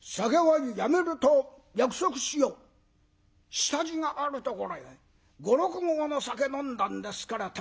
下地があるところへ５６合の酒飲んだんですからたまりません。